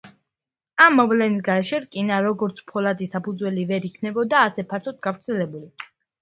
ამ მოვლენის გარეშე რკინა როგორც ფოლადის საფუძველი ვერ იქნებოდა ასე ფართოდ გავრცელებული.